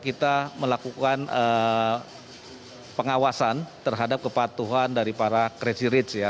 kita melakukan pengawasan terhadap kepatuhan dari para crazy rich ya